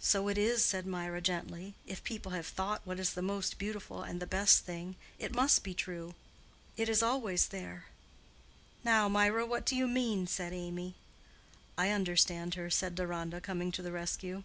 "So it is," said Mirah, gently. "If people have thought what is the most beautiful and the best thing, it must be true. It is always there." "Now, Mirah, what do you mean?" said Amy. "I understand her," said Deronda, coming to the rescue.